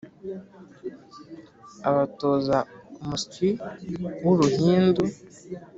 abatoza umusyi w’uruhindu